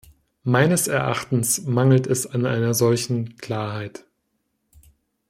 Meines Erachtens mangelt es an einer solchen Klarheit.